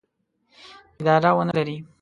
اداره ونه لري.